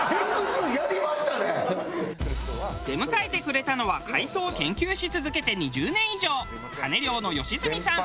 出迎えてくれたのは海藻を研究し続けて２０年以上カネリョウの吉積さん。